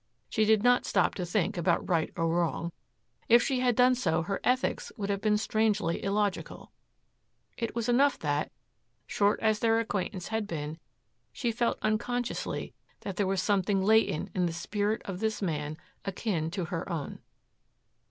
She did not stop to think about right or wrong. If she had done so her ethics would have been strangely illogical. It was enough that, short as their acquaintance had been, she felt unconsciously that there was something latent in the spirit of this man akin to her own.